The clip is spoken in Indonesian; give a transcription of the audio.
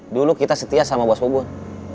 dulu kita setia sama bos obon